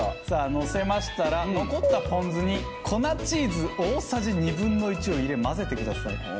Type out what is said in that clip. さあのせましたら残ったポン酢に粉チーズ大さじ２分の１を入れ混ぜてください。